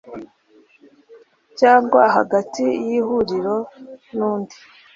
cyangwa hagati y ihuriro n undi